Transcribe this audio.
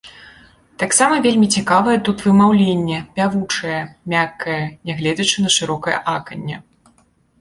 Таксама вельмі цікавае тут вымаўленне, пявучае, мяккае, нягледзячы на шырокае аканне.